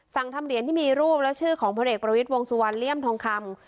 ทำเหรียญที่มีรูปและชื่อของพลเอกประวิทย์วงสุวรรณเลี่ยมทองคำ